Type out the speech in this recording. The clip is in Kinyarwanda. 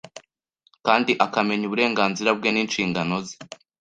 kandi akamenya uburenganzira bwe n’inshingano ze